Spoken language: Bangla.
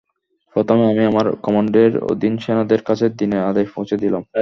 প্রথমেই আমি আমার কমান্ডের অধীন সেনাদের কাছে দিনের আদেশ পৌঁছে দিলাম।